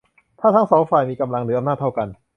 ถ้าทั้งสองฝ่ายมีกำลังหรืออำนาจเท่ากัน